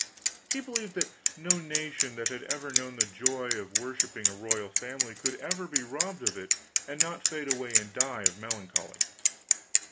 He believed that no nation that had ever known the joy of worshiping a royal family could ever be robbed of it and not fade away and die of melancholy.